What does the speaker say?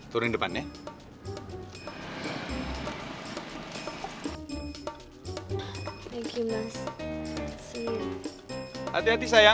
turunin depan ya